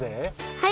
はい！